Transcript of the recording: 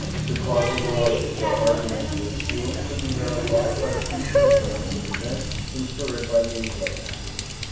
The causal laws which our arguments would assume could be verified by the future occurrence of events inferred by means of them.